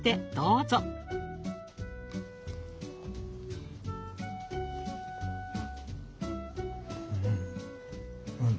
うん。